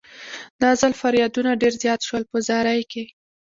دا ځل فریادونه ډېر زیات شول په زارۍ کې.